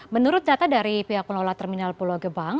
menurut data dari pihak pengelola terminal pulau gebang